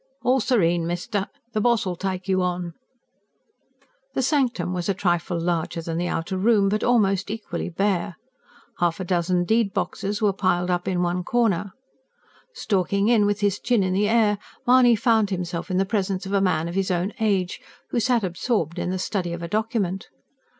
"All serene, mister! The boss'ull take you on." The sanctum was a trifle larger than the outer room, but almost equally bare; half a dozen deed boxes were piled up in one corner. Stalking in with his chin in the air, Mahony found himself in the presence of a man of his own age, who sat absorbed in the study of a document.